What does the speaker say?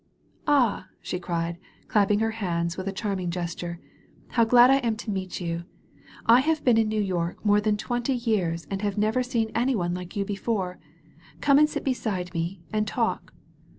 "Ah," she cried, clapping her hands with a charming gesture, "how glad I am to meet you ! I have been in New York more than twenty years and never seen any one like you before! Come and sit beside me and talk."